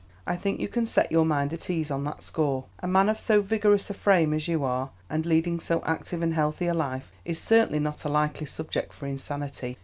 I think you can set your mind at ease on that score. A man of so vigorous a frame as you are, and leading so active and healthy a life, is certainly not a likely subject for insanity.